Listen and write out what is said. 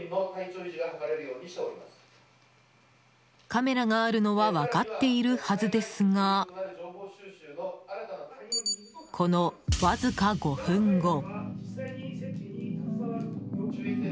カメラがあるのは分かっているはずですがこの、わずか５分後。